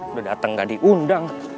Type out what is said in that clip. udah dateng gak diundang